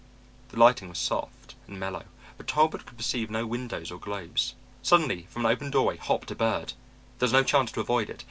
The lighting was soft and mellow, but Talbot could perceive no windows or globes. Suddenly from an open doorway hopped a bird. There was no chance to avoid it.